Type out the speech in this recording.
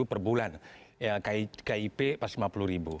sd rp dua ratus sepuluh per bulan kip rp lima puluh